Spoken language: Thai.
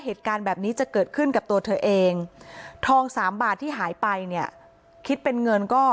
เหตุการณ์แบบนี้จะเกิดขึ้นกับตัวเธอเองทองสามบาทที่หายไปเนี่ยคิดเป็นเงินก็